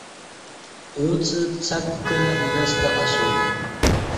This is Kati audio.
اُݩڅ څک کہ لستہ اسوم